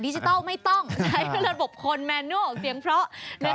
จิทัลไม่ต้องใช้ระบบคนแมนโน่ออกเสียงเพราะ